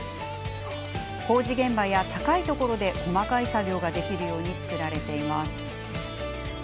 工事現場や高いところで細かい作業ができるように作られています。